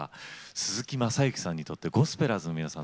鈴木雅之さんにとってゴスペラーズの皆さん